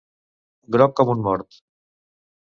Groc com un mort.